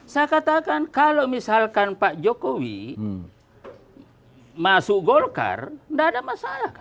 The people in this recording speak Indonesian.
saya katakan kalau misalkan pak jokowi masuk golkar tidak ada masalah